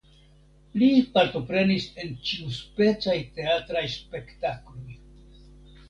Li partoprenis en ĉiuspecaj teatraj spektakloj.